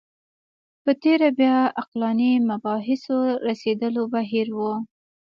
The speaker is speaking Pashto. په تېره بیا عقلاني مباحثو رسېدلی بهیر و